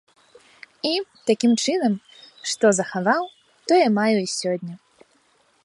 І, такім чынам, што захаваў, тое маю і сёння.